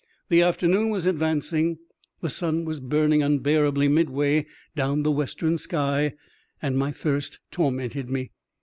The afternoon was advancing; the sun was burning unbearably midway down the western sky, and my thirst tormented me.